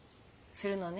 するのね。